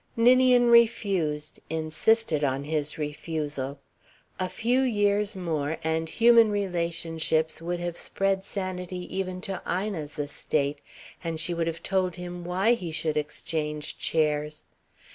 Ninian refused, insisted on his refusal. A few years more, and human relationships would have spread sanity even to Ina's estate and she would have told him why he should exchange chairs.